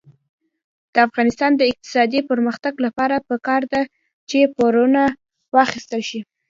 د افغانستان د اقتصادي پرمختګ لپاره پکار ده چې پورونه واخیستل شي.